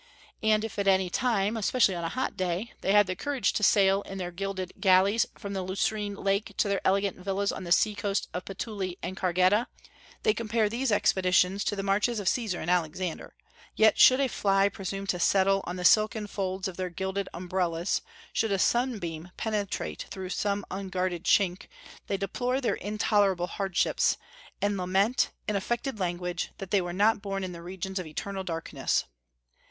And if at any time, especially on a hot day, they have the courage to sail in their gilded galleys from the Lucrine Lake to their elegant villas on the sea coast of Puteoli and Cargeta, they compare these expeditions to the marches of Caesar and Alexander; yet should a fly presume to settle on the silken folds of their gilded umbrellas, should a sunbeam penetrate through some unguarded chink, they deplore their intolerable hardships, and lament, in affected language, that they were not born in the regions of eternal darkness.